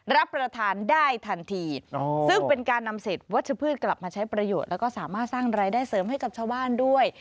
รับประทานได้ทันทีซึ่งเป็นการนำเศษวัชพืชกลับมาใช้ประโยชน์แล้วก็สามารถสร้างรายได้เสริมให้กับชาวบ้านด้วย